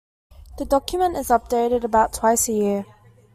The document is updated about twice a year.